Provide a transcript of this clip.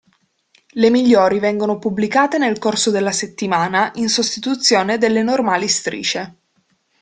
Le migliori vengono pubblicate nel corso della settimana in sostituzione delle normali strisce.